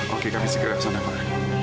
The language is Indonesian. oke kami segera kesana pak